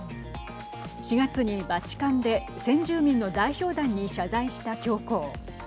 ４月にバチカンで先住民の代表団に謝罪した教皇。